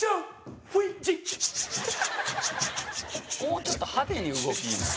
もうちょっと派手に動きいな。